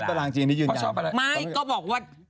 เค้าชอบอะไร